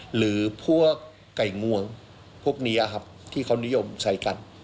หรือพวกไก่งวงพวกนี้ครับที่เขานิยมใช้กัน